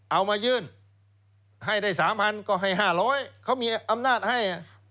เอามายื่นให้ได้๓๐๐ก็ให้๕๐๐เขามีอำนาจให้